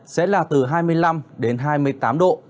sẽ là từ hai mươi năm đến hai mươi tám độ